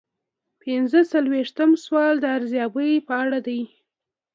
پنځه څلویښتم سوال د ارزیابۍ په اړه دی.